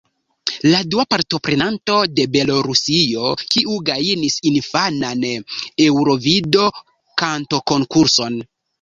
La dua partoprenanto de Belorusio, kiu gajnis la infanan Eŭrovido-Kantokonkurson.